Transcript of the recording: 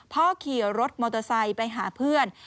ขี่รถมอเตอร์ไซค์ไปหาเพื่อน